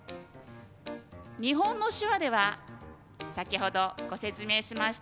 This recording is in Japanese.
日本の手話では先ほどご説明しました。